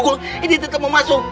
eh dia tetap mau masuk